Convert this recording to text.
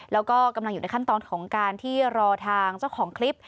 แล้วก็กำลังอยู่ในขั้นตอนของการที่รอทางเจ้าของคลิป